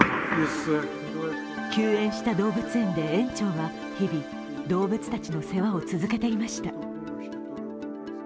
休園した動物園で園長は日々、動物たちの世話を続けていました。